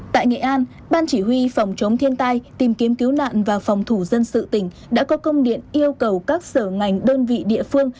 tại nghệ an ban chỉ huy phòng chống thiên tai tìm kiếm cứu nạn và phòng thủ dân sự tỉnh đã có công điện yêu cầu các sở ngành đơn vị địa phương